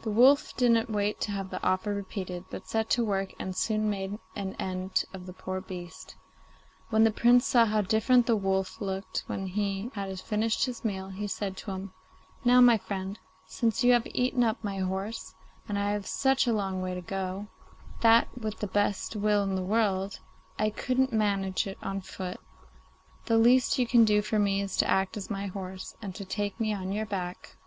The wolf didn't wait to have the offer repeated, but set to work, and soon made an end of the poor beast. When the Prince saw how different the wolf looked when he had finished his meal, he said to him, 'Now, my friend, since you have eaten up my horse, and I have such a long way to go, that, with the best will in the world, I couldn't manage it on foot, the least you can do for me is to act as my horse and to take me on your back.